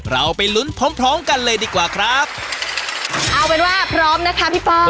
เราไปลุ้นพร้อมพร้อมกันเลยดีกว่าครับเอาเป็นว่าพร้อมนะคะพี่ป้อง